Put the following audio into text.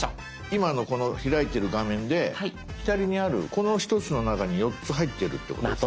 今のこの開いてる画面で左にあるこの１つの中に４つ入ってるってことですか？